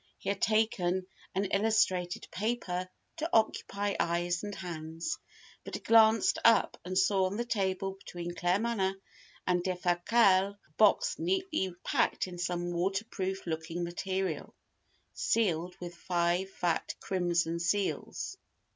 He had taken an illustrated paper to occupy eyes and hands, but glanced up and saw on the table between Claremanagh and Defasquelle a box neatly packed in some waterproof looking material, sealed with five fat crimson seals.